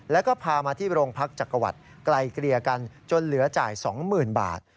แล้วก็พามาที่โรงพักจักรวรรดิไกลเกลี่ยกันจนเหลือจ่าย๒๐๐๐บาท